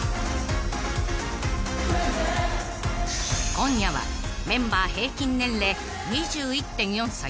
［今夜はメンバー平均年齢２１．４歳］